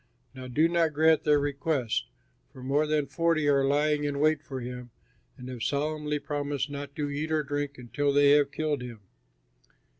Now do not grant their request, for more than forty are lying in wait for him and have solemnly promised not to eat or drink until they have killed him.